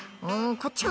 こっちか？